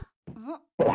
ん？